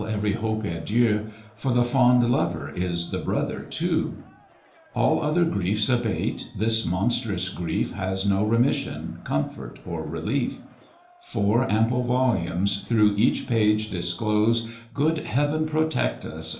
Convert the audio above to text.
every hope adieu, For the fond lover is the brother too: All other griefs abate; this monstrous grief Has no remission, comfort, or relief; Four ample volumes, through each page disclose, Good Heaven protect us!